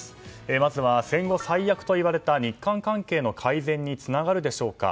まずは戦後最悪といわれた日韓関係の改善につながるでしょうか。